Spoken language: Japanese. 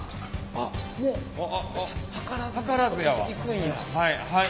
あっもう量らずいくんや。